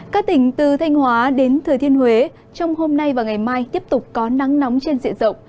các tỉnh từ thanh hóa đến thừa thiên huế trong hôm nay và ngày mai tiếp tục có nắng nóng trên diện rộng